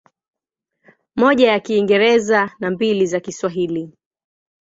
Moja ya Kiingereza na mbili za Kiswahili.